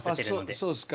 そそうですか。